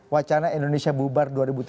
wacana indonesia bubar dua ribu tiga puluh